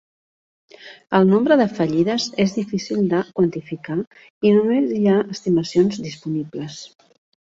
El nombre de fallides és difícil de quantificar i només hi ha estimacions disponibles.